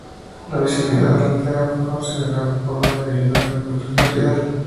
La visibilidad delantera fue considerada pobre debido al gran motor radial.